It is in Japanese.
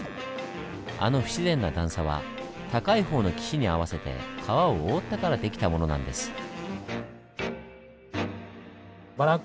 あの不自然な段差は高い方の岸に合わせて川を覆ったから出来たものなんです。